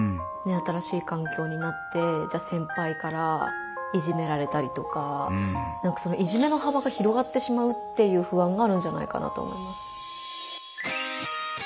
新しい環境になってじゃ先輩からいじめられたりとかいじめの幅が広がってしまうっていう不安があるんじゃないかなと思います。